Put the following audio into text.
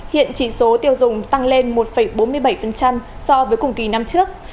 hiện chỉ số tiêu dùng tăng lên một bốn mươi bảy so với cùng kỳ năm trước